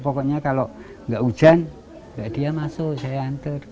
pokoknya kalau nggak hujan dia masuk saya antur